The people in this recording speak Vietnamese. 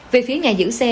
về phí nhà giữ xe